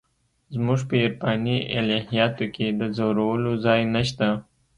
زموږ په عرفاني الهیاتو کې د ځورولو ځای نشته.